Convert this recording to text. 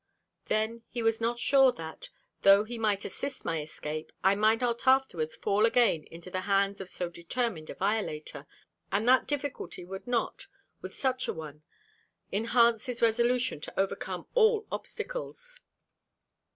Then he was not sure, that, though he might assist my escape, I might not afterwards fall again into the hands of so determined a violator: and that difficulty would not, with such an one, enhance his resolution to overcome all obstacles.